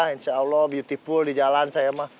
insya allah beautiful di jalan saya mah